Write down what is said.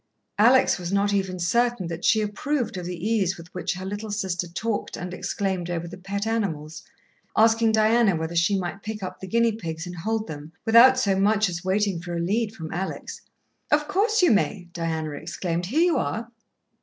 Alex was not even certain that she approved of the ease with which her little sister talked and exclaimed over the pet animals, asking Diana whether she might pick up the guinea pigs and hold them, without so much as waiting for a lead from Alex. "Of course, you may!" Diana exclaimed. "Here you are."